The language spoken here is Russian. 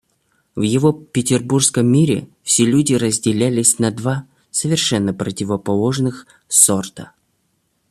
В его петербургском мире все люди разделялись на два совершенно противоположные сорта.